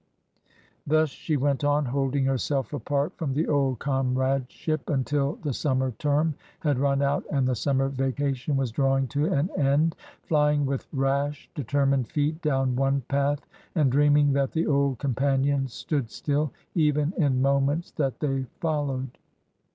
Thus she went on, holding herself apart from the old comradeship until the summer term had run out and the summer vacation was drawing to an end — flying with rash, determined feet down one path and dreaming that the old companions stood still— even, in moments, that they followed.